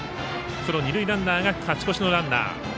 その二塁ランナーが勝ち越しのランナー。